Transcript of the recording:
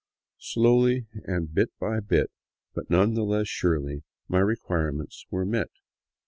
Slowly and bit by bit, but none the less surely, my requirements were met.